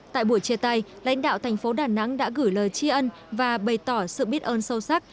tại buổi chia tay lãnh đạo thành phố đà nẵng đã gửi lời tri ân và bày tỏ sự biết ơn sâu sắc